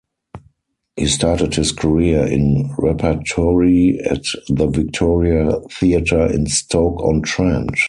He started his career in repertory at the Victoria Theatre in Stoke-on-Trent.